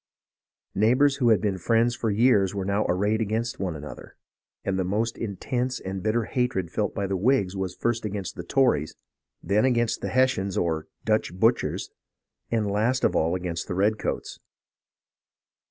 Neigh bours who had been friends for years were now arrayed against one another ; and the most intense and bitter hatred felt by the Whigs was first against the Tories, then against the Hessians or " Dutch butchers," and last of all against the redcoats.